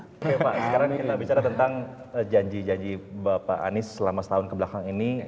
oke pak sekarang kita bicara tentang janji janji bapak anies selama setahun kebelakang ini